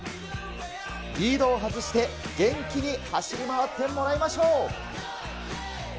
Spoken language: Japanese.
リードを外して元気に走り回ってもらいましょう。